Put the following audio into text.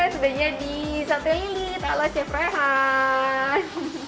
sudah jadi sate lilit ala chef rehan